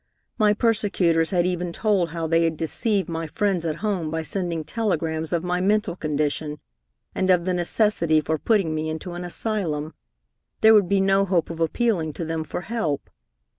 My persecutors had even told how they had deceived my friends at home by sending telegrams of my mental condition, and of the necessity for putting me into an asylum. There would be no hope of appealing to them for help.